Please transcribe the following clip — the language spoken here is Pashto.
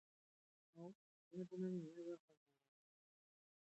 ښځې د ټولنې نیمه برخه جوړوي.